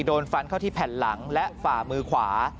โดนฟันเข้าที่แผ่นหลังและฝ่ามือขวา